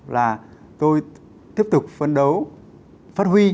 là tôi tiếp tục phân đấu phát huy